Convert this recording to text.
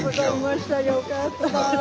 よかった。